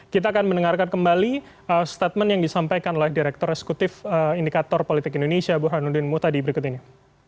kita akan mendengarkan kembali statement yang disampaikan oleh direktur eksekutif indikator politik indonesia burhanuddin mutadi berikut ini